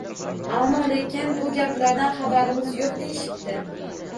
Ammo-lekin bu gaplardan xabarimiz yo‘q deyishipti.